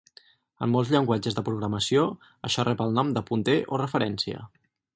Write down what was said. En molts llenguatges de programació, això rep el nom de punter o referència.